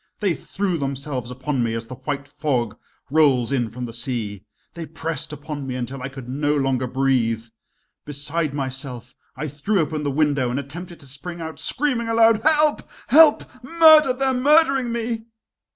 They threw themselves upon me as the white fog rolls in from the sea, they pressed upon me until I could no longer breathe. Beside myself, I threw open the window and attempted to spring out, screaming aloud: "Help! help! murder! they are murdering me!"